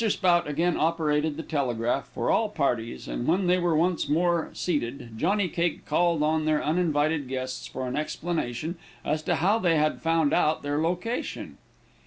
Spout again operated the telegraph for all parties, and when they were once more seated, Johnny Cake called on their uninvited guests for an explanation as to how they had found out their location.